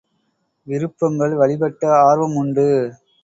விருப்பங்கள் வழிப்பட்ட ஆர்வம் உண்டு.